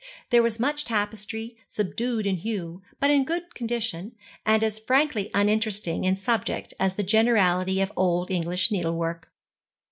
There was much tapestry, subdued in hue, but in good condition, and as frankly uninteresting in subject as the generality of old English needlework.